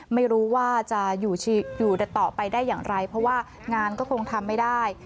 ไม่รู้ว่าจะอยู่ต่อไปได้อย่างไรเพราะว่างานก็คงทำไม่ได้